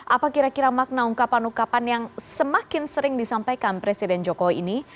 apa kira kira makna ungkapan ungkapan yang semakin sering disampaikan presiden jokowi ini